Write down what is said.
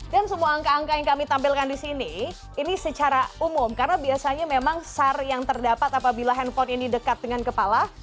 dan semua angka angka yang kami tampilkan di sini ini secara umum karena biasanya memang sar yang terdapat apabila handphone ini dekat dengan kepala